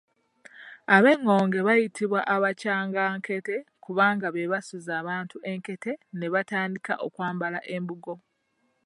Ab’engonge bayitibwa ‘abakyangankete’ kubanga be basuuza abantu enkete ne batandika okwambala embugo.